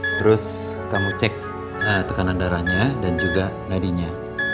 terus kamu cek tekanan darahnya dan juga ladinya